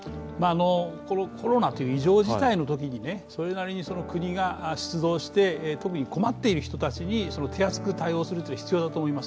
コロナという異常事態のときにそれなりに国が出動して特に困っている人たちに手厚く対応するというのは必要だと思います。